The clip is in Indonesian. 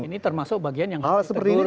ini termasuk bagian yang harus ditegur